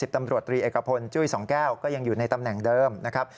ตำรวจตรีเอกพลจุ้ยสองแก้วก็ยังอยู่ในตำแหน่งเดิมนะครับ